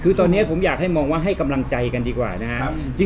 คือตอนนี้ผมอยากให้มองว่าให้กำลังใจกันดีกว่านะครับ